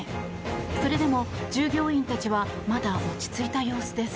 それでも従業員たちはまだ落ち着いた様子です。